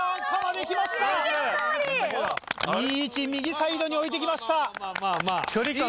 いい位置右サイドに置いてきました。